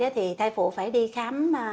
thì thai phụ phải đi khám